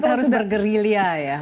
harus bergerilya ya